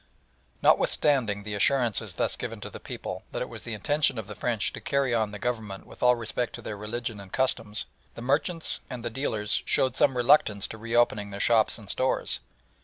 Notwithstanding the assurances thus given to the people, that it was the intention of the French to carry on the government with all respect to their religion and customs, the merchants and dealers showed some reluctance to reopening their shops and stores.